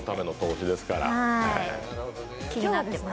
気になってます。